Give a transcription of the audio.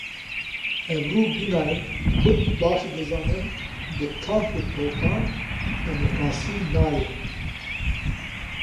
Ebru Gunay Kurd baş dizanin bi tank û topan demokrasî nayê.